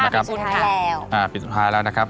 ค่ะปีสุดท้ายแล้วค่ะปีสุดท้ายแล้วนะครับ